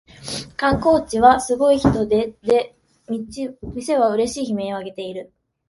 観光地はすごい人出でお店はうれしい悲鳴をあげている